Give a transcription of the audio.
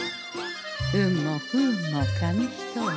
運も不運も紙一重。